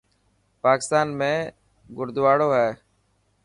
پاڪستان ۾ گڙدواڙو هي.